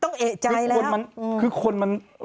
ต้องมีแต่คนในโซเชียลว่าถ้ามีข่าวแบบนี้บ่อยทำไมถึงเชื่อขนาดใด